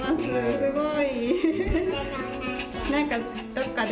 すごい。